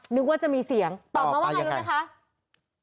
นึกว่าจะมีเสียงตอบต่อไปว่าอยู่ไหมคะตอบไปเยอะไง